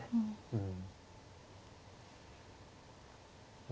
うん。